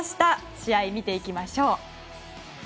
試合を見ていきましょう。